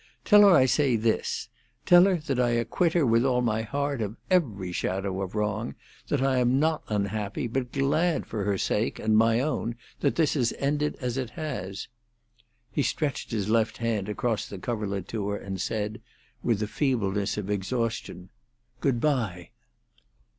Tell her I say this; tell her that I acquit her with all my heart of every shadow of wrong; that I am not unhappy, but glad for her sake and my own that this has ended as it has." He stretched his left hand across the coverlet to her, and said, with the feebleness of exhaustion, "Good bye.